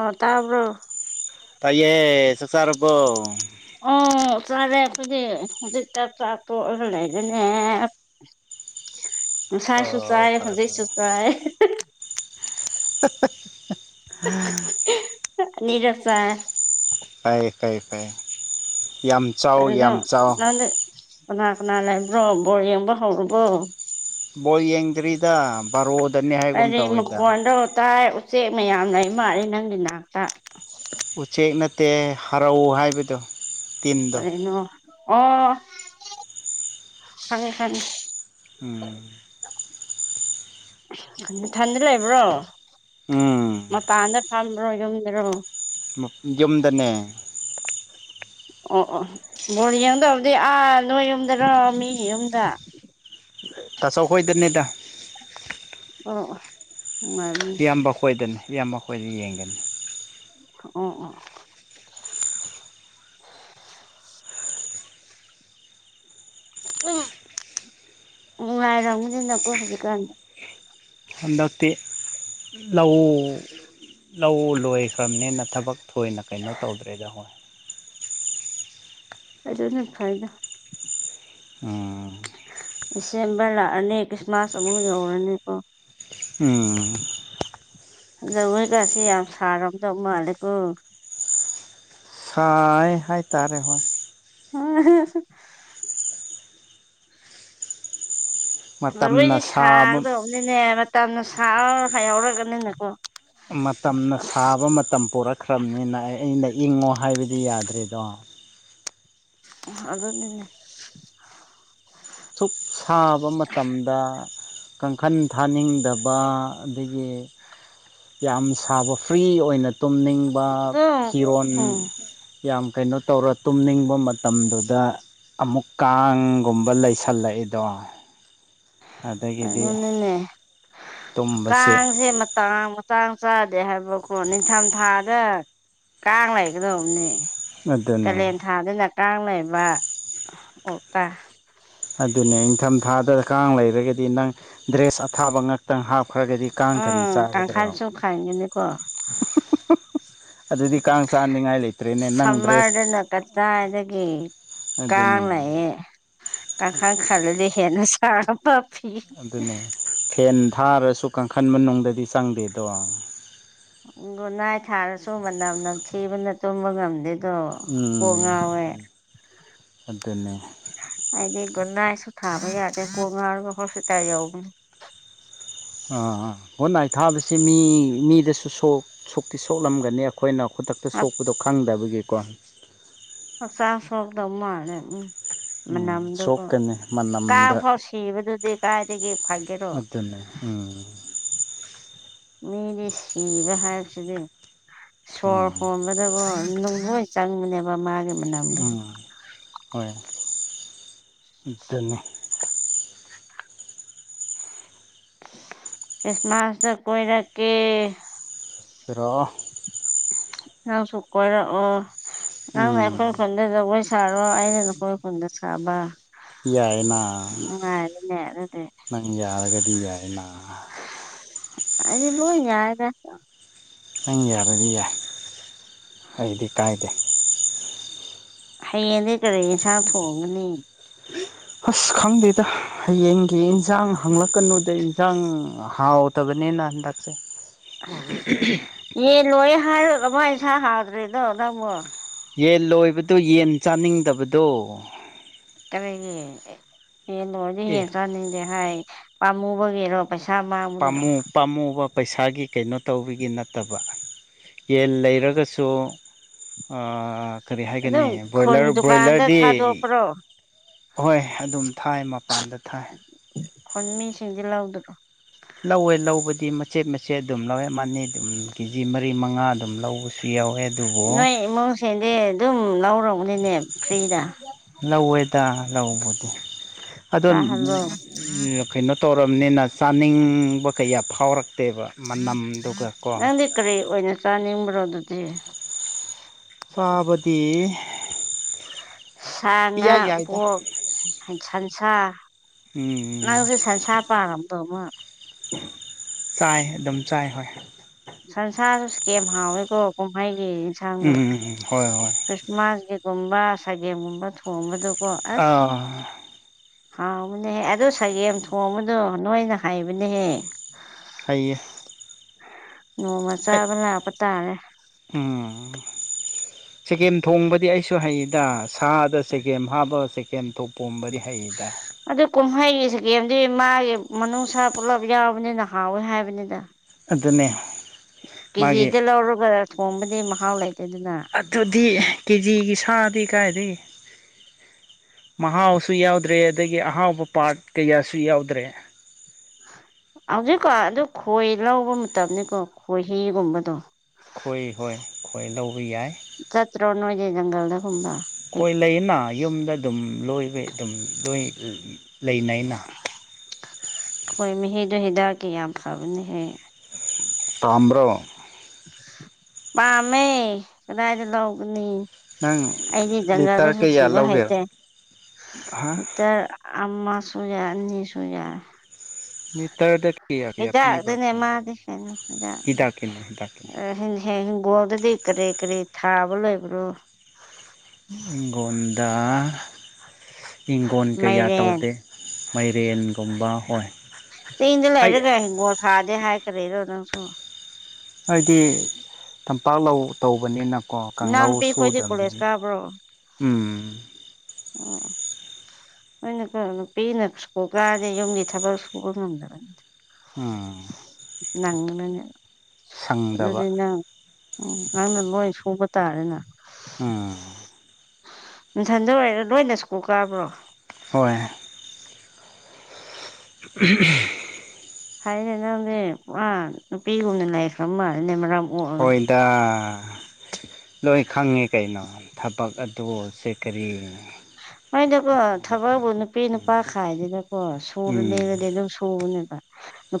ꯑꯣ ꯇꯕꯔ ꯇꯥꯏꯌꯦ ꯁꯔꯔꯕꯣ ꯆꯥꯔꯦꯄꯗꯤ ꯍꯧꯖꯤꯛ ꯆꯥꯛ ꯆꯥ ꯇꯣꯛꯑꯒ ꯂꯩꯗꯅꯦ ꯅꯨꯡꯁꯥꯁꯨ ꯑꯣ ꯆꯥꯏ ꯐꯔꯦ ꯐꯔꯦ ꯐꯖꯩꯁꯨ ꯆꯥꯏ [unintelligible] ꯅꯤꯔꯁꯥ ꯐꯩ ꯐꯩ ꯐꯩ ꯌꯥꯝ ꯆꯥꯎ ꯀꯩꯅꯣ ꯌꯥꯝ ꯆꯥꯎ ꯅꯪꯗꯤ ꯀꯅꯥ ꯀꯅꯥ ꯂꯩꯕ꯭ꯔꯣ ꯕꯣꯔ ꯌꯦꯡꯕ ꯍꯧꯔꯨꯔꯕꯣ ꯕꯣꯜ ꯌꯦꯡꯗ꯭ꯔꯤꯗ ꯕꯥꯔꯣꯗꯅꯤ ꯍꯥꯏꯒꯨꯝ ꯀꯔꯤ ꯇꯧꯋꯤꯗ ꯃꯈꯣꯟꯗꯣ ꯇꯥꯏ ꯎꯆꯦꯛ ꯃꯌꯥꯝ ꯂꯩ ꯃꯥꯂꯦ ꯅꯪꯒꯤ ꯅꯥꯛꯇ ꯎꯆꯦꯛ ꯅꯠꯇꯦ ꯍꯔꯥꯎ ꯍꯥꯏꯕꯗꯣ ꯇꯤꯝꯗꯣ ꯀꯅ ꯑꯣ ꯈꯉ ꯈꯉ ꯎꯝ ꯊꯟꯗꯤ ꯂꯩꯕ꯭ꯔꯣ ꯎꯝ ꯊꯝꯕ꯭ꯔꯣ ꯌꯝꯗ꯭ꯔꯣ ꯌꯨꯝꯗꯅꯦ ꯑꯣ ꯑꯣ ꯕꯣꯔ ꯌꯦꯡꯗꯕꯗꯤ ꯑꯥ ꯅꯣꯏ ꯌꯨꯝꯗꯔꯣ ꯃꯤꯒꯤ ꯌꯨꯝꯗ [inaudible] ꯇꯥꯁ ꯈꯣꯏꯗꯅꯦꯗ ꯑ ꯏꯌꯥꯝꯕ ꯈꯣꯏꯗꯅꯤ ꯏꯌꯥꯝꯕ ꯑꯩ ꯈꯣꯏꯗ ꯌꯦꯡꯒꯅꯤ ꯑꯣ ꯑꯣ ꯎ ꯎ ꯉꯔꯗꯤꯅ ꯀꯣ ꯍꯧꯖꯤ ꯀ ꯍꯟꯗꯛꯇꯤ ꯂꯧ ꯂꯧ ꯂꯣꯏ ꯈ꯭ꯔꯕꯅꯦꯅ ꯊꯕꯛ ꯊꯣꯏꯅ ꯀꯩꯅꯣ ꯇꯧꯗ꯭ꯔꯦꯗ ꯍꯣꯏ ꯑꯗꯅ ꯈꯥꯏꯔꯗ ꯑ ꯗꯤꯁꯦꯝꯕꯔ ꯂꯥꯛꯑꯅꯤ ꯈ꯭ꯔꯤꯁꯃꯥꯁ ꯑꯃꯨꯛ ꯌꯧꯔꯅꯤꯀꯣ ꯎꯝ ꯂꯧꯣꯏꯀꯁꯤ ꯌꯥꯝ ꯁꯥꯔꯝꯗꯧ ꯃꯥꯜꯂꯦꯀꯣ ꯁꯥꯏ ꯍꯥꯏꯇꯥꯔꯦ ꯍꯣꯏ ꯑ ꯃꯇꯝꯅ ꯂꯣꯏꯗꯤ ꯁꯥꯕ ꯁꯥꯒꯗꯧꯕꯅꯤꯅꯦ ꯃꯇꯝꯅ ꯁꯥ ꯌꯥꯎꯔꯒꯅꯤꯅꯀꯣ ꯃꯇꯝꯅ ꯁꯥꯕ ꯃꯇꯝ ꯄꯔꯛꯈ꯭ꯔꯕꯅꯤꯅ ꯑꯩ ꯑ ꯂꯩ ꯏꯪꯉꯣ ꯍꯥꯏꯕꯗꯤ ꯌꯥꯗ꯭ꯔꯦꯗꯣ ꯑꯗꯨꯗꯅꯦ ꯁꯨꯛ ꯁꯥꯕ ꯃꯇꯝꯗ ꯀꯥꯡꯈꯜ ꯊꯥꯅꯤꯡꯗꯕ ꯑꯗꯒꯤ ꯌꯥꯝ ꯁꯥꯕ ꯐ꯭ꯔꯤ ꯑꯣꯏꯅ ꯇꯨꯝꯅꯤꯡꯕ ꯑꯗꯨꯝ ꯐꯤꯔꯣꯟ ꯎꯝ ꯌꯥꯝ ꯀꯩꯅꯣ ꯇꯧꯔ ꯇꯨꯝꯅꯤꯡꯕ ꯃꯇꯝꯗꯨꯗ ꯑꯃꯨꯛ ꯀꯥꯡꯒꯨꯝꯕ ꯂꯩꯁ ꯊꯜꯂꯛꯏꯗꯣ ꯀꯩꯅꯣꯅꯅꯦ ꯇꯨꯝꯕꯁꯦ ꯀꯥꯡꯁꯦ ꯃꯇꯥꯡ ꯍꯛ ꯆꯥꯡ ꯆꯥꯗꯦ ꯍꯥꯏꯕꯀꯣ ꯅꯤꯡꯊꯝ ꯊꯥꯗ ꯀꯥꯡ ꯂꯩꯒꯗꯕꯅꯦ ꯀꯥꯂꯦꯟ ꯑꯗꯨꯅꯦ ꯊꯥꯗꯨꯅ ꯀꯥꯡ ꯂꯩꯕ ꯑꯣꯛꯇ ꯑꯗꯨꯅꯦ ꯏꯪꯊꯝꯊꯥꯗ ꯀꯥꯡ ꯂꯩꯔꯒꯗꯤ ꯅꯪ ꯗ꯭ꯔꯦꯁ ꯑꯊꯥꯕ ꯉꯥꯛꯇꯪ ꯍꯥꯞꯄ ꯎ ꯀ ꯈꯥꯏ ꯆꯨꯝ ꯈꯥꯏꯅꯤ ꯀꯅꯤꯀꯣ ꯑꯗꯨꯗꯤ ꯀꯥꯡ ꯆꯥꯅꯤꯡꯉꯥꯏ ꯂꯩꯇ꯭ꯔꯦꯅꯦ ꯅꯪ ꯁꯝꯃꯔꯗꯅ ꯗ꯭ꯔꯦꯁ ꯀꯇꯥꯗꯒꯤ ꯑꯗꯨꯅꯦ ꯀꯥꯡꯅꯌꯦ ꯀꯥꯡꯈꯥꯡ ꯈꯥꯜꯂꯗꯤ ꯍꯦꯅ ꯁꯥ ꯑꯗꯨꯅꯦ ꯐꯦꯟ ꯊꯥꯔꯁꯨ ꯀꯥꯡꯈꯟ ꯃꯅꯨꯡꯗꯅꯨꯡꯗꯤ ꯆꯪꯗꯦꯗꯣ ꯣ ꯅꯥꯏ ꯊꯥꯔꯁꯨ ꯃꯅꯝ ꯅꯝꯊꯤꯕꯅ ꯇꯨꯝꯕ ꯉꯝꯗꯦ ꯑꯗꯣ ꯎꯝ ꯄꯉꯋꯦ ꯑꯗꯨꯅꯦ ꯍꯥꯏꯗꯤ ꯥꯏꯁꯨ ꯊꯕ ꯌꯥꯦ ꯀ ꯍꯁꯄꯤꯇꯥꯜ ꯌꯥꯎꯕ ꯑꯥ ꯈꯨꯣꯠꯅꯥꯥꯏ ꯊꯥꯕꯁꯤ ꯃꯤ ꯃꯤꯗꯁꯨ ꯁꯨꯛꯇꯤ ꯁꯣꯛꯂꯝꯒꯅꯤ ꯑꯩꯈꯣꯏꯅ ꯈꯨꯗꯛꯇ ꯁꯣꯛꯄꯗꯣ ꯈꯪꯗꯕꯒꯤꯀꯣ ꯆꯥꯁ ꯋꯥꯗ ꯃꯥꯅꯦ ꯎꯝ ꯎꯝ ꯃꯅꯝꯗꯨꯒꯣ ꯁꯣꯛꯀꯅꯤ ꯀꯥꯡ ꯃꯅꯝꯗ ꯐꯥꯎ ꯁꯤꯕꯗꯨꯗꯤ ꯀꯥꯏꯗꯒꯤ ꯐꯒꯦꯔꯣ ꯑꯗꯨꯅꯦ ꯎꯝ ꯃꯤꯗꯤ ꯁꯤꯕ ꯍꯥꯏꯕꯁꯤꯗꯤ ꯁꯣꯔ ꯎꯝ ꯍꯣꯟꯕꯗꯕꯨ ꯍꯣꯏ ꯆꯪꯒꯅꯦꯕ ꯃꯥꯒꯤ ꯃꯅꯝꯗꯨ ꯎꯝ ꯍꯣꯏ ꯑꯗꯨꯅꯤ ꯈ꯭ꯔꯤꯁꯃꯥꯁꯗ ꯀꯣꯏꯅ ꯀ ꯔꯣ ꯁꯨꯀꯣꯏ ꯑꯣ ꯅꯪ ꯎꯝ ꯅꯈꯣꯏ ꯈꯗꯦ ꯁꯥꯔꯣ ꯑꯩꯅ ꯅꯈꯣꯏ ꯈꯨꯟꯗ ꯁꯥꯕ ꯌꯥꯥꯏꯅꯥ ꯅꯨꯡꯉꯥꯏꯔꯦꯅꯦ ꯑꯗꯨꯗꯤ ꯅ ꯌꯥꯔꯒꯗꯤ ꯌꯥ ꯍꯥꯏꯅ ꯑ ꯂ ꯌꯥꯔꯗꯁ ꯅꯪ ꯌꯥꯔꯗꯤ ꯌꯥꯏ ꯑꯩꯗꯤ ꯀꯥꯏꯗꯦ ꯍꯌꯦꯡꯗꯤ ꯀꯔꯤ ꯏꯟꯁꯥꯡ ꯊꯣꯡꯒꯅꯤ ꯑꯁ ꯈꯪꯗꯦꯗ ꯍꯌꯦꯡꯒꯤ ꯏꯟꯁꯥꯡ ꯍꯪꯂꯛꯀꯅꯨꯗ ꯏꯟꯁꯥꯡ ꯍꯥꯎꯇꯕꯅꯦꯅ ꯍꯟꯗꯛꯁꯦ [inaudible] [unintelligible] ꯍꯥꯏꯔꯨꯔꯥꯅꯨ ꯌꯦꯟꯁꯥꯪ ꯍꯦꯇꯔꯤꯑꯗꯨꯣ ꯅꯪꯕꯣ ꯌꯦꯟ ꯂꯣꯏꯕꯗꯨ ꯌꯦꯟ ꯆꯥꯅꯤꯡꯗꯕꯗꯣ ꯀꯔꯤꯒꯤ ꯌꯦꯟ ꯂꯣꯏꯗꯤ ꯌꯦꯟ ꯆꯥꯅꯤꯡꯗꯦ ꯍꯥꯏ ꯄꯥꯝꯃꯨꯕꯒꯤꯔꯣ ꯄꯩꯁꯥ ꯃꯥꯡꯕꯒꯤꯔꯣ ꯄꯥꯝꯨ ꯄꯥꯃꯨꯕ ꯄꯩꯁꯥꯒꯤ ꯀꯩꯅꯣ ꯇꯧꯕꯒꯤ ꯅꯠꯇꯕ ꯌꯦꯟ ꯂꯩꯔꯒꯁꯨ ꯀꯔꯤ ꯑꯗꯨꯝ ꯍꯥꯏꯒꯅꯤ ꯣꯏꯂ ꯈꯨꯟ ꯗꯨꯀꯥꯟꯗ ꯕ꯭ꯔꯣꯏꯂꯔꯗꯤ ꯊꯥꯗꯣꯛꯄ꯭ꯔꯣ ꯍꯣꯏ ꯑꯗꯨꯝ ꯊꯥꯏ ꯃꯄꯥꯟꯗ ꯊꯥꯏ ꯍꯣꯟ ꯃꯤꯁꯤꯡꯗꯤ ꯂꯧꯥꯎꯗ꯭ꯔꯣ ꯂꯧꯋꯦ ꯂꯧꯕꯗꯤ ꯃꯆꯦꯠ ꯃꯆꯦꯠ ꯑꯗꯨꯝ ꯂꯧꯋꯦ ꯃꯥꯅꯤ ꯑꯗꯨꯝ ꯀꯦꯖꯤ ꯃꯔꯤ ꯃꯉꯥ ꯑꯗꯨꯝ ꯂꯧꯋꯦ ꯅꯣꯏ ꯏꯃꯨꯡꯁꯤꯡꯗꯤ ꯑꯗꯨꯝ ꯂꯧꯔꯎꯅꯤꯅꯦ ꯐ꯭ꯔꯤꯗ ꯂꯧꯋꯦꯗ ꯂꯧꯕꯗꯤ ꯑꯗꯣ ꯆꯥꯍꯜꯂꯣ ꯀꯩꯅꯣ ꯇꯧ ꯅꯤꯅ ꯆꯥꯅꯤꯡꯕ ꯀꯌꯥ ꯐꯥꯎꯔꯛ ꯅꯪꯗꯤ ꯀꯔꯤ ꯑꯣꯏꯅ ꯆꯥꯅꯤꯡꯕ꯭ꯔꯣ ꯑꯗꯨꯗꯤ ꯆꯕꯗꯤ ꯁꯥ ꯉꯥ ꯌꯥꯏꯗ ꯄꯣꯠ ꯁꯟꯁꯥ ꯎꯝ ꯅꯪꯁꯨ ꯁꯟꯁꯥ ꯆꯥꯄꯔꯝꯗꯣꯃꯣ ꯆꯥꯏ ꯑꯗꯨꯝ ꯆꯥꯏ ꯍꯣꯏ ꯁꯟꯁꯥꯁꯨ ꯀꯦꯝ ꯍꯥꯎꯋꯤꯀꯣ ꯀꯨꯝꯍꯩꯒꯤ ꯌꯦꯟꯁꯥꯡꯗꯣ ꯎꯝ ꯍꯣꯏ ꯍꯣꯏ ꯈ꯭ꯔꯤꯁꯃꯥꯁꯀꯤ ꯒꯨꯝꯕ ꯁꯒꯦꯝꯒꯨꯝꯕ ꯊꯣꯡꯕꯗ ꯑꯥ ꯍꯥꯎꯕꯅꯦꯍꯦ ꯑꯗꯨ ꯁꯒꯦꯝ ꯊꯣꯡꯕꯗꯣ ꯅꯣꯏꯅ ꯍꯩꯕꯅꯦꯍꯦ ꯍꯩꯌꯦ ꯅꯣꯡꯃ ꯑꯩ ꯆꯥꯕ ꯂꯥꯛꯄ ꯇꯥꯔꯦ ꯎꯝ ꯆꯒꯦꯝ ꯊꯣꯡꯕꯗꯤ ꯑꯩꯁꯨ ꯍꯩꯗ ꯁꯥꯗ ꯆꯒꯦꯝ ꯍꯥꯞꯄ ꯆꯒꯦꯝ ꯊꯄꯣꯝꯕꯗꯤ ꯑꯗꯨꯗ ꯀꯨꯃꯍꯩ ꯆꯥꯒꯦꯝ ꯗꯤ ꯃꯥꯒꯤ ꯃꯅꯨꯡꯅꯨꯡꯁꯥ ꯄꯨꯜꯂꯞ ꯌꯥꯎꯕꯅꯤꯅ ꯍꯥꯎꯋꯦ ꯍꯥꯏꯕꯅꯤꯗꯥ ꯑꯗꯨꯅꯦ ꯃꯥꯒꯤ ꯀꯦꯖꯤꯗ ꯂꯧꯔꯒ ꯊꯣꯡꯕꯗꯤ ꯃꯍꯥꯎ ꯂꯩꯇꯦꯗꯅ ꯑꯗꯨꯗꯤ ꯀꯦꯖꯤꯒꯤ ꯊꯥ ꯇ ꯀꯥꯏꯗ ꯃꯍꯥꯎꯁꯨ ꯌꯥꯎꯗ꯭ꯔꯦ ꯑꯗꯒꯤ ꯑꯍꯥꯎꯕ ꯄꯥꯔꯠ ꯀꯌꯥꯁꯨ ꯌꯥꯎꯗ꯭ꯔꯦ ꯍꯧꯖꯤꯛꯀꯣ ꯑꯗꯨ ꯈꯣꯏ ꯂꯧꯕ ꯃꯇꯝꯅꯤꯀꯣ ꯈꯣꯏꯍꯤꯤꯒꯨꯝꯕꯗꯣ ꯈꯣꯏ ꯍꯣꯏ ꯈꯣꯏ ꯂꯧꯕ ꯌꯥꯏ ꯒꯟꯒꯜꯗ ꯑꯩꯈꯣꯏ ꯂꯩꯅ ꯌꯨꯝꯗ ꯑꯗꯨꯝ ꯂꯣꯏꯕ ꯑꯗꯨꯝ ꯂꯣꯏ ꯂꯩꯅꯩꯅ ꯈꯣꯏ ꯃꯍꯤꯗꯣ ꯍꯤꯗꯥꯛꯀꯤ ꯌꯥꯝ ꯐꯕꯅꯦꯍꯦ ꯄꯥꯝꯕꯔꯣ ꯄꯝꯃꯦ ꯀꯗꯥꯏꯗꯤ ꯂꯧꯥꯎꯒꯅꯤ ꯅꯪ ꯑꯩꯗꯤ ꯂꯤꯇꯔ ꯖꯪꯒꯜꯗꯁꯨ ꯀꯌꯥ ꯊꯤꯕ ꯂꯧꯒꯦ ꯍꯥ ꯍꯩꯇꯦꯇ ꯑꯃꯝꯥꯁꯨ ꯌꯥꯏ ꯑꯅꯤꯁꯨ ꯌꯥꯏ ꯃꯤꯠꯇꯔꯗ ꯍꯗꯛꯗꯅꯦ ꯃꯥꯗꯤꯁꯅꯥꯛ ꯑ ꯍꯤꯗꯥꯛꯀꯤꯅꯦ ꯍꯤꯗꯥꯛꯀꯤꯅꯦ ꯍ ꯍ ꯍꯤꯡꯒꯣꯜꯗꯗꯤ ꯀꯔꯤ ꯀꯔꯤ ꯊꯥꯕ ꯂꯣꯏꯕ꯭ꯔꯣ ꯏꯪꯒꯣꯟꯗ ꯍꯪꯒꯣꯟ ꯀꯌꯥ ꯃꯥꯏꯔꯦꯟ ꯇꯧꯗꯦ ꯃꯥꯏꯔꯦꯟꯒꯨꯝꯕ ꯍꯣꯏ ꯆꯤꯡꯗ ꯑꯩ ꯂꯩꯔꯒ ꯍꯤꯡꯒꯣ ꯊꯥꯗꯦ ꯍꯥꯏ ꯀꯔꯦꯗꯣ ꯅꯪꯁꯨ ꯍꯥꯏꯗꯤ ꯇꯝꯄꯥꯛ ꯂꯧ ꯇꯧꯕꯅꯦꯅ ꯀꯣ ꯀꯥꯡꯧ ꯏꯅꯥꯎꯅꯨꯄꯤ ꯈꯣꯏꯗꯤ ꯁꯨꯗꯕꯅꯤ ꯀꯣꯂꯦꯖ ꯑꯅꯦ ꯎꯝ ꯑ ꯅꯅ ꯅꯨꯄꯤꯅ ꯁ ꯀꯥꯗꯤ ꯌꯨꯝꯒꯤ ꯊꯕꯛ ꯁꯨꯕ ꯉꯝꯗꯕꯅꯤ ꯑ ꯅꯪꯉꯅꯅꯦ ꯑꯗꯨꯅ ꯎꯝ ꯅꯪꯅ ꯂꯣꯏ ꯁꯨꯕ ꯇꯥꯔꯦꯅꯦ ꯎꯝ ꯏꯊꯟꯗ ꯑꯣꯏꯔ ꯅꯣꯏꯅ ꯁ꯭ꯀꯨꯜ ꯀꯥꯕ꯭ꯔꯣ ꯍꯣꯏ [unintelligible] ꯍꯥꯏ ꯗꯤ ꯅꯪꯗꯤ ꯄꯨꯔꯥ ꯅꯨꯄꯤꯒꯨꯝꯅ ꯂꯥꯏꯈ꯭ꯔꯥ ꯃꯥꯜꯂꯤꯅꯦ ꯃꯔꯝ ꯑꯣꯛꯑꯒ ꯍꯣꯏꯗ ꯂꯣꯏ ꯈꯪꯉꯦ ꯀꯩꯅꯣ ꯊꯕꯛ ꯑꯗꯨꯁꯦ ꯀꯔꯤ ꯍꯣꯅꯗꯀꯣ ꯊꯕꯛꯕꯨ ꯅꯨꯄꯤ ꯅꯨꯄꯥ ꯈꯥꯏꯗꯦꯗꯀꯣ ꯁꯨꯔ ꯎꯝ ꯂꯩꯔꯗꯤ ꯑꯗꯨꯝ ꯁꯨꯕꯅꯦ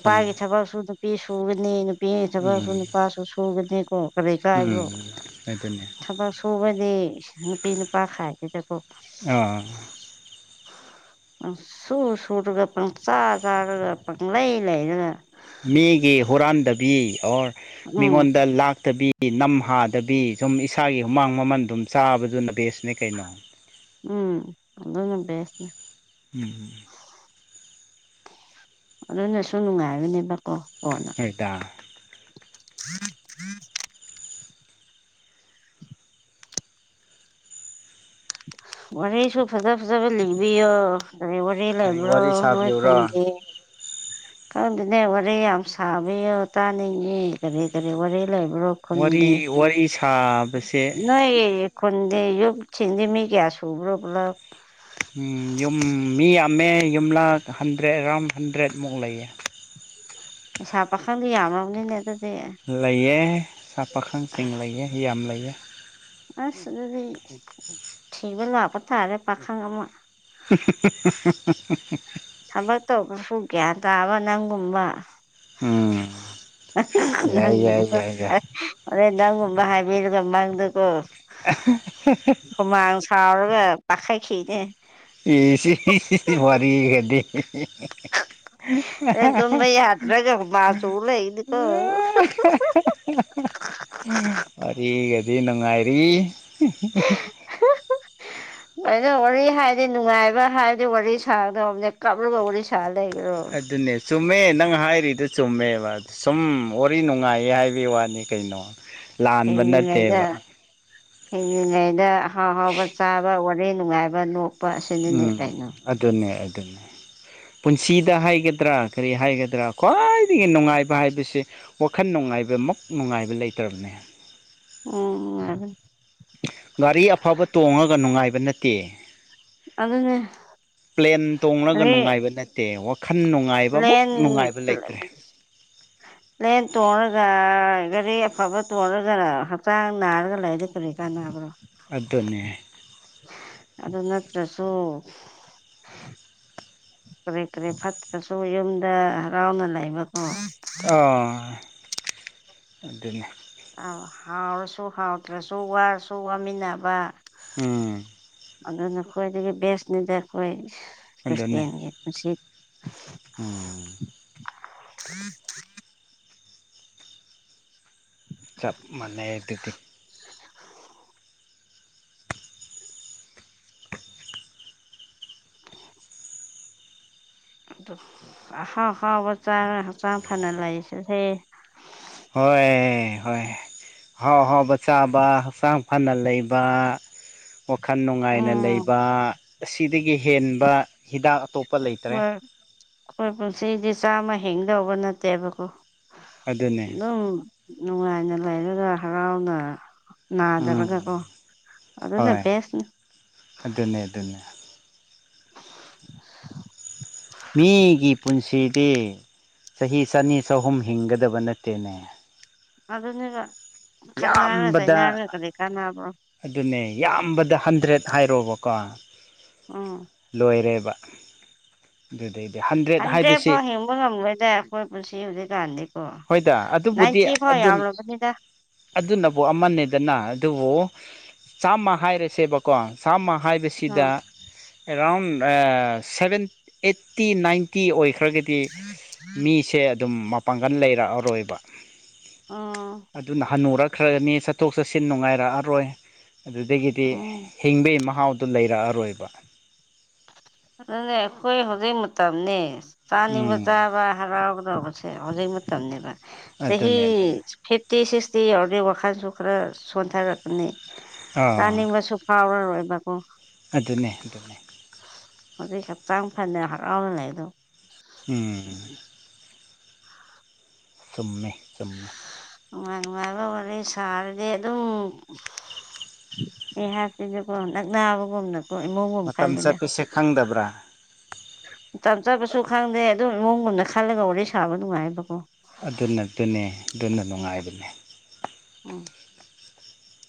ꯆꯨꯝꯃꯦ ꯎꯝ ꯀꯔꯤ ꯀꯥꯏꯕꯣ ꯎꯝ ꯑꯗꯨꯅꯦ ꯊꯕꯛ ꯁꯨꯕꯗꯤ ꯅꯨꯄꯤ ꯅꯨꯄꯥ ꯈꯥꯏꯗꯦꯗꯀꯣ ꯑꯥ ꯁꯨ ꯁꯨꯔꯒ ꯄꯪ ꯆꯥ ꯆꯥꯔꯒ ꯄꯪ ꯂꯩ ꯂꯩꯔꯒ ꯃꯤꯒꯤ ꯍꯨꯔꯥꯟꯗꯕꯤ ꯑꯣꯔ ꯎꯝ ꯃꯤꯉꯣꯟꯗ ꯂꯥꯛꯇꯕꯤ ꯅꯝ ꯍꯥꯗꯕꯤ ꯁꯨꯝ ꯏꯁꯥꯒꯤ ꯍꯨꯃꯥꯡ ꯃꯃꯟ ꯑꯗꯨꯝ ꯆꯥꯕꯗꯨꯅ ꯕꯦꯁꯅꯦ ꯀꯩꯅꯣ ꯎꯝ ꯑꯗꯨꯅꯦ ꯍꯥꯏꯁꯦ ꯎꯝ ꯑꯗꯨꯅꯁꯨ ꯅꯨꯡꯉꯥꯏꯕꯅꯦꯕꯀꯣ ꯀꯣꯟꯅ ꯍꯣꯏꯗ [unintelligible] ꯋꯥꯔꯩꯁꯨ ꯐꯖ ꯐꯖꯕ ꯂꯤꯡꯕꯤꯌꯣ ꯑꯩ ꯋꯥꯔꯤ ꯀꯔꯤ ꯂꯩꯕ꯭ꯔꯣ ꯋꯥꯔꯤ ꯅꯣꯏ ꯁꯥꯕꯤꯌꯨꯔꯣ ꯈꯨꯟꯒꯤ ꯈꯪꯗꯅꯦ ꯋꯥꯔꯤꯔꯦ ꯌꯥꯝ ꯁꯥꯕ ꯇꯥꯅꯤꯡꯉꯦ ꯀꯔꯤ ꯀꯔꯤ ꯋꯥꯔꯦ ꯂꯩꯕ꯭ꯔꯣ ꯈꯨꯟꯒꯦ ꯋꯥꯔꯤ ꯋꯥꯔꯤ ꯁꯥꯕꯁꯦ ꯅꯣꯏ ꯈꯨꯟꯗꯦ ꯌ ꯌꯨꯗꯁꯤꯡꯗꯤ ꯃꯤ ꯀꯌꯥꯁꯨ ꯁꯨꯕ꯭ꯔꯣ ꯄꯨꯂꯞ ꯌꯨꯝ ꯃꯤ ꯌꯥꯝꯃꯦ ꯌꯨꯝꯂꯛ ꯍꯟꯗ꯭ꯔꯦꯠ ꯑꯦꯔꯥꯎꯟ ꯍꯟꯗ꯭ꯔꯦꯠꯃꯨꯛ ꯂꯩꯌꯦ ꯑꯩꯁꯥ ꯄꯥꯈꯪꯗ ꯌꯥꯝꯃꯕꯅꯤꯅꯦ ꯑꯗꯨ ꯂꯩꯑꯦ ꯁꯥ ꯄꯈꯪꯁꯤꯡ ꯂꯩꯑ ꯌꯥꯝ ꯌꯥꯝ ꯂꯩꯌꯦ ꯑꯁ ꯑꯗꯨꯗꯤ ꯊꯤꯕ ꯂꯥꯛꯄ ꯇꯥꯔꯦ ꯄꯥꯈꯪ ꯑꯃ [unintelligible] ꯊꯕꯛ ꯇꯧꯕꯁꯨ ꯒ꯭ꯌꯥꯟ ꯇꯥꯕ ꯅꯪꯒꯨꯝꯕ ꯎꯝ ꯑꯣ ꯌꯥꯏ ꯌꯥꯏ ꯅꯪꯒꯨꯝꯕ ꯌꯥꯏ ꯌꯥꯏ ꯍꯣꯔꯦꯟ ꯅꯪꯒꯨꯝꯕ ꯍꯥꯏ ꯕꯤꯔꯒ ꯃꯪꯗꯀꯣ ꯍꯨꯃꯥꯡ ꯁꯥꯎꯔꯒ ꯄꯈꯠꯈꯤꯅꯦ ꯑꯦ ꯁꯤ ꯋꯥꯔꯤꯒꯤ ꯒꯗꯤ ꯑꯦ ꯇꯨꯝꯕ ꯌꯥꯗ꯭ꯔꯒ ꯃꯥ ꯆꯣ ꯂꯩ ꯅꯤꯀꯣ ꯋꯥꯔꯤꯒꯗꯤ ꯍꯥꯏꯔꯤ ꯅꯨꯡꯉꯥꯏꯔꯤ ꯑꯩꯅ ꯋꯥꯔꯤ ꯍꯥꯏꯔꯗꯤ ꯅꯨꯡꯉꯥꯏꯕ ꯍꯥꯏꯔꯗꯤ ꯋꯥꯔꯤ ꯁꯥꯗꯅꯦ ꯀꯞꯂꯒ ꯋꯥꯔꯤ ꯁꯥꯔ ꯑꯗꯨꯅꯦ ꯆꯨꯝꯃꯦ ꯅꯪ ꯍꯥꯏꯔꯤ ꯑꯗꯨ ꯆꯨꯝꯃꯦꯕ ꯑꯗꯨ ꯁꯨꯝ ꯋꯥꯔꯤ ꯅꯨꯡꯉꯥꯏꯌꯦ ꯍꯥꯏꯕꯒꯤ ꯋꯥꯅꯤ ꯀꯩꯅꯣ ꯂꯥꯟꯕ ꯅꯠꯇꯦꯕ ꯍꯤꯡꯂꯤꯉꯩꯗ ꯍꯤꯡꯂꯤꯉꯩꯗ ꯍꯥꯎ ꯍꯥꯎꯕ ꯆꯥꯕ ꯋꯥꯔꯦ ꯅꯨꯡꯉꯥꯏꯕ ꯂꯣꯛ ꯎꯝ ꯑꯗꯨꯅꯦ ꯑꯗꯨꯅꯦ ꯄꯨꯟꯁꯤꯗ ꯍꯥꯏꯒꯗ꯭ꯔꯥ ꯀꯔꯤ ꯍꯥꯏꯒꯗ꯭ꯔꯥ ꯈ꯭ꯋꯥꯏꯗꯒꯤ ꯅꯨꯡꯉꯥꯏꯕ ꯍꯥꯏꯕꯁꯦ ꯋꯥꯈꯜ ꯅꯨꯡꯉꯥꯏꯕ ꯃꯛ ꯅꯨꯡꯉꯥꯏꯕ ꯂꯩꯇ꯭ꯔꯕꯅꯦ ꯑꯣ ꯒꯥꯔꯤ ꯑꯐꯕ ꯇꯣꯡꯉꯒ ꯅꯨꯡꯉꯥꯏꯕ ꯅꯠꯇꯦ ꯑꯗꯨꯅꯦ ꯄ꯭ꯂꯦꯟ ꯇꯣꯡꯂꯒ ꯋꯥꯔꯤ ꯅꯨꯡꯉꯥꯏꯕ ꯅꯠꯇꯦ ꯋꯥ ꯄ꯭ꯂꯦꯟ ꯄꯂ‌ꯦ ꯄ꯭ꯂꯦꯟ ꯇꯣꯡꯉꯒ ꯒꯥꯔꯤ ꯑꯐꯕ ꯇꯣꯡꯔꯒ ꯍꯛꯆꯥꯡ ꯅꯥꯔꯒ ꯂꯩꯔꯗꯤ ꯀꯔꯤ ꯀꯥꯟꯅꯥꯕ꯭ꯔꯣ ꯑꯗꯨꯅꯦ ꯑꯗꯨ ꯅꯠꯇ꯭ꯔꯁꯨ ꯀꯔꯤ ꯀꯔꯤ ꯐꯠꯇ꯭ꯔꯁꯨ ꯌꯨꯝꯗ ꯍꯔꯥꯎꯅ ꯂꯩꯕ ꯑꯣ ꯑꯗꯨꯅꯦ ꯑꯥ ꯍꯥꯎꯔꯁꯨ ꯍꯥꯎꯇꯔꯁꯨ ꯋꯥꯔꯁꯨ ꯋꯥꯃꯤꯟꯅꯕ ꯎꯝ ꯑꯗꯨꯅ ꯈ꯭ꯋꯥꯏꯗꯒꯤ ꯕꯦꯁꯅꯤꯗ ꯑꯩꯈꯣꯏ ꯑꯗꯨꯅꯦ ꯈ꯭ꯔꯤꯁꯇꯦꯟꯒꯤ ꯄꯨꯟꯁꯤ ꯎꯝ [unintelligible] ꯆꯞ ꯃꯥꯟꯅꯩ ꯗꯨꯗꯤ [inaudible] [unintelligible] ꯑꯗꯨ ꯑꯍꯥꯎ ꯑꯍꯥꯎꯕ ꯆꯥꯔꯒ ꯍ ꯛꯆꯥꯡ ꯐꯅ ꯂꯩꯁ‌ꯦ ꯍꯦ ꯍꯣꯏ ꯍꯣꯏ ꯑꯍꯥꯎ ꯑꯍꯥꯎꯕ ꯆꯥꯕ ꯍꯛꯆꯥꯡ ꯐꯅ ꯂꯩꯕ ꯋꯥ ꯈꯟ ꯅꯨꯡꯉꯥꯏꯅ ꯎꯝ ꯂꯩꯕ ꯑꯁꯤꯗꯒꯤ ꯍꯦꯟꯕ ꯍꯤꯗꯥꯛ ꯑꯇꯣꯞ ꯍꯣꯏ ꯑꯩꯈꯣꯏ ꯄꯨꯟꯁꯤꯗꯤ ꯆꯥꯝꯃ ꯍꯤꯡꯗꯧꯕ ꯅꯠꯇꯦꯕꯀꯣ ꯑꯗꯨꯅꯦ ꯑꯗꯨꯝ ꯅꯨꯡꯉꯥꯏꯅ ꯂꯩꯔꯒ ꯍꯔꯥꯎꯅ ꯅꯥꯗꯔꯒ ꯀꯣ ꯎꯝ ꯑꯗꯨꯅ ꯍꯣꯏ ꯕ‌ꯦꯁꯅꯤ ꯑꯗꯨꯅꯦ ꯑꯗꯨꯅꯦ ꯃꯤꯒꯤ ꯄꯨꯟꯁꯤꯗꯤ ꯆꯍꯤ ꯆꯅꯤ ꯆꯍꯨꯝ ꯍꯤꯡꯒꯗꯕ ꯅꯠꯇꯦꯅꯦ ꯑꯗꯨꯅꯦꯕ ꯈꯠꯅꯔ ꯌꯥꯝꯕꯗ ꯆꯩꯅꯔꯒ ꯀꯔꯤ ꯀꯥꯟꯅꯕ꯭ꯔꯣ ꯑꯗꯨꯅꯦ ꯌꯥꯝꯕꯗ ꯍꯟꯗ꯭ꯔꯦꯗ ꯍꯥꯏꯔꯣꯕꯀꯣ ꯎꯝ ꯂꯣꯏꯔꯦꯕ ꯑꯗꯨꯗꯩꯗꯤ ꯍꯟꯗ꯭ꯔꯦꯠ ꯍꯟꯗꯔ‌ꯦꯠ ꯍꯥꯏꯕꯁꯤ ꯐꯥꯎ ꯍꯤꯡꯕ ꯉꯝꯂ‌ꯣꯏꯗ ꯑꯩꯈꯣꯏ ꯄꯨꯟꯁꯤ ꯍꯧꯖꯤꯛꯀꯥꯟꯗꯤ ꯍꯣꯏꯗ ꯑꯗꯨꯕꯨꯗꯤ ꯑꯗꯨ ꯌꯥꯝꯂꯕꯅꯤꯗ ꯑꯗꯨꯅꯕꯨ ꯑꯃꯅꯤ ꯗꯅ ꯑꯗꯨꯕꯨ ꯆꯥꯝꯃ ꯍꯥꯏꯔꯁꯦꯕꯀꯣ ꯆꯥꯝꯃ ꯍꯥꯏꯕꯁꯤꯗ ꯑꯥ ꯑꯦꯔꯥꯎꯟ ꯑꯥ ꯁꯚꯦꯟ ꯑꯩꯠꯇꯤ ꯅꯥꯏꯟꯇꯤ ꯑꯣꯏꯈ ꯈ꯭ꯔꯒꯗꯤ ꯃꯤꯁꯦ ꯑꯗꯨꯝ ꯃꯄꯥꯡꯒꯜ ꯂꯩꯔꯛꯑꯔꯣꯏꯕ ꯎꯝ ꯑꯗꯨꯅ ꯍꯟꯅꯨꯔꯛꯈ꯭ꯔꯅꯤ ꯆꯠꯊꯣꯛ ꯆꯠꯁꯤꯟ ꯅꯨꯡꯉꯥꯏꯔꯛꯑꯔꯣꯏ ꯑꯗꯨꯗꯒꯤꯗꯤ ꯎꯝ ꯍꯤꯡꯕꯒꯤ ꯃꯍꯥꯎꯗ‌ꯣ ꯂꯩꯔꯛꯑꯔꯣꯏꯕ ꯑ ꯑꯗꯨꯅꯦ ꯑꯩꯈꯣꯏ ꯍꯧꯖꯤꯛ ꯃꯇꯝꯅꯦ ꯆꯥꯅꯤꯡꯕ ꯎꯝ ꯆꯥꯕ ꯍꯔꯥꯎꯕ ꯗ‌ꯣꯕ ꯁꯦ ꯍꯧꯖꯤꯛ ꯃꯇꯝꯅꯤꯕ ꯆꯍꯤ ꯑꯗꯨꯅꯦ ꯑꯗꯨꯅꯦ ꯐꯤꯞ ꯇꯤ ꯁꯤꯛꯁꯇꯤ ꯌꯥꯎꯔꯗꯤ ꯋꯥꯈꯜꯁꯨ ꯈꯔ ꯁꯣꯟꯊꯔꯛꯀꯅꯤ ꯑꯥ ꯇꯥꯅꯤꯡꯕꯁꯨ ꯐꯥꯎꯔꯔꯣꯏ ꯑꯗꯨꯅꯦ ꯑꯗꯨꯅꯦ ꯍꯧꯖꯤꯛ ꯍꯛꯆꯥꯡ ꯐꯖꯅ ꯍꯔꯥꯎꯅ ꯂꯩꯗꯣ ꯎꯝ ꯆꯨꯝꯃꯦ ꯆꯨꯝꯃꯦ ꯅꯨꯡꯉꯥꯏ ꯅꯨꯡꯉꯥꯏꯕ ꯋꯥꯔꯤ ꯁꯥꯔꯗꯤ ꯑꯗꯨꯝ ꯑꯦ ꯍꯥꯞꯇꯤꯟꯁꯨꯀꯣ ꯅꯛ ꯅꯥꯕꯒꯨꯝꯅꯀꯣ ꯏꯃꯨꯡꯒꯨꯝ ꯃꯇꯝ ꯈꯜꯂꯦꯗ ꯆꯠꯄꯁꯦ ꯈꯪꯗꯕ꯭ꯔꯥ ꯆꯞ ꯆꯥꯕꯁꯨ ꯈꯪꯗꯦ ꯑꯗꯨꯝ ꯏꯃꯨꯡꯒꯨꯝꯗ ꯈꯜꯂꯒ ꯋꯥꯔꯤ ꯁꯥꯕ ꯅꯨꯡꯉꯥꯏꯕꯀꯣ ꯑꯗꯨꯅ ꯑꯗꯨꯅꯦ ꯑꯗꯨꯅ ꯅꯨꯡꯉꯥꯏꯕꯅ‌ꯦ ꯎꯝ